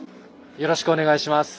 よろしくお願いします。